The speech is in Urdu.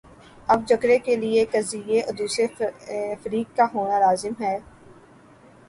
اب جھگڑے کے لیے قضیے اور دوسرے فریق کا ہونا لازم ہے۔